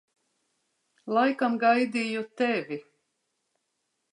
Laikam gaidīju tevi.